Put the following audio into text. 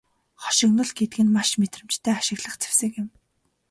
Хошигнол гэдэг нь маш мэдрэмжтэй ашиглах зэвсэг юм.